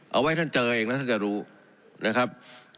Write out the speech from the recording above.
เอาไว้ท่านเจอเองแล้วท่านจะรู้นะครับ